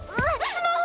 スマホ！